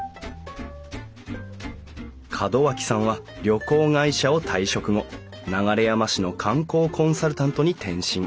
門脇さんは旅行会社を退職後流山市の観光コンサルタントに転身。